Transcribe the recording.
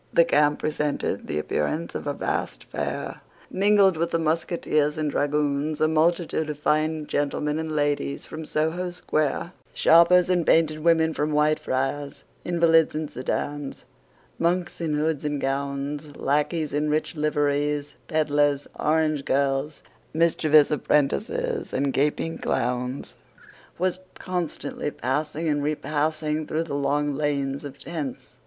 The camp presented the appearance of a vast fair. Mingled with the musketeers and dragoons, a multitude of fine gentlemen and ladies from Soho Square, sharpers and painted women from Whitefriars, invalids in sedans, monks in hoods and gowns, lacqueys in rich liveries, pedlars, orange girls, mischievous apprentices and gaping clowns, was constantly passing and repassing through the long lanes of tents.